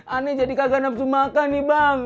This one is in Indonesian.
aneh jadi kagak nafsu makan nih bang